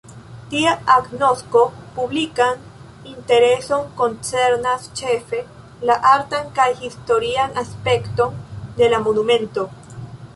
Tia agnosko publikan intereson koncernas ĉefe la artan kaj historian aspekton de la monumento.